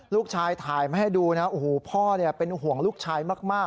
ลูกชายถ่ายมาให้ดูนะโอ้โหพ่อเป็นห่วงลูกชายมาก